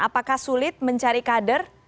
apakah sulit mencari kader